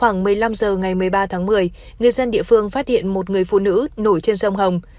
ngày một mươi ba tháng một mươi người dân địa phương phát hiện một người phụ nữ nổi trên sông hồng